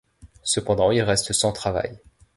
Cependant, il reste sans travail.